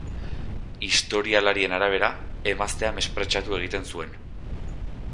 Historialarien arabera, emaztea mespretxatu egiten zuen.